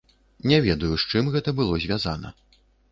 Не ведаю, з чым гэта было звязана.